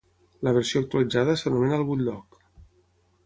La versió actualitzada s'anomena el Bulldog.